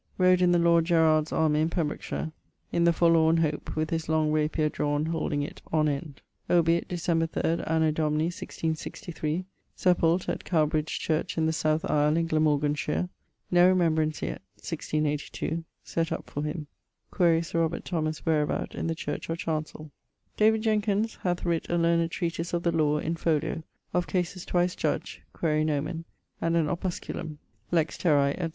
Rode in the lord Gerard's army in Pembrokeshire, in the forlorne hope, with his long rapier drawne holding it on end. Obiit Dec. 3, anno Domini 1663; sepult. at Cowbridge church in the south aisle in Glamorganshire. No remembrance yet (1682) set up for him. [Quaere Sir Robert Thomas whereabout in the church or chancell.] David Jenkins hath writt a learned treatise of the lawe, in folio, of cases twice judged (quaere nomen); and an 'opusculum' (Lex terrae, etc.)